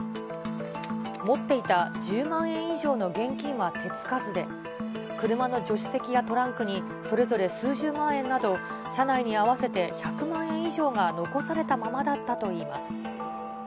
持っていた１０万円以上の現金は手つかずで、車の助手席やトランクに、それぞれ数十万円など、車内に合わせて１００万円以上が残されたままだったといいます。